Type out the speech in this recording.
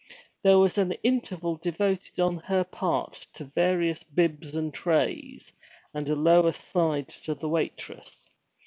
There was an interval devoted on her part to various bibs and trays, and a low aside to the waitress.